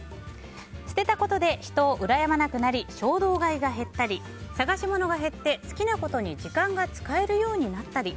捨てたことで人をうらやまなくなり衝動買いが減ったり探し物が減って、好きなことに時間が使えるようになったり。